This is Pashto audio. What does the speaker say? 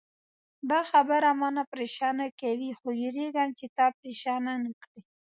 دا خبره ما نه پرېشانه کوي، خو وېرېږم چې تا پرېشانه نه کړي.